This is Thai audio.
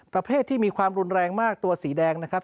ประเภทที่มีความรุนแรงมากตัวสีแดงนะครับ